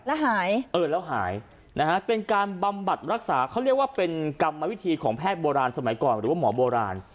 แล้วหายเออแล้วหายนะฮะเป็นการบำบัดรักษาเขาเรียกว่าเป็นกรรมวิธีของแพทย์โบราณสมัยก่อนหรือว่าหมอโบราณ